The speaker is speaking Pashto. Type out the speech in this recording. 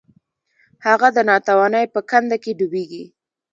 هغه د ناتوانۍ په کنده کې ډوبیږي.